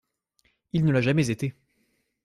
Il ne l’a jamais été.